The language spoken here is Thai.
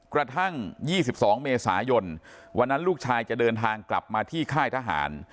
กระทั่ง๒๒เมษายนวันนั้นลูกชายจะเดินทางกลับมาที่ค่ายทหาร